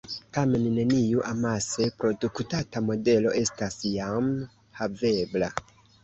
Tamen neniu amase produktata modelo estas jam havebla.